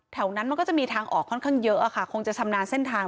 แถวนั้นมันก็จะมีทางออกค่อนข้างเยอะค่ะคงจะชำนาญเส้นทาง